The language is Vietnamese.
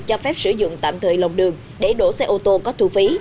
cho phép sử dụng tạm thời lòng đường để đổ xe ô tô có thu phí